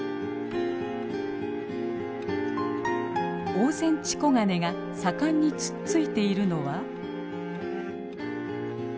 オオセンチコガネが盛んにつっついているのは。